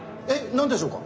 何でしょうか？